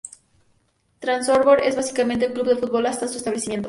Trabzonspor es básicamente un club de fútbol hasta su establecimiento.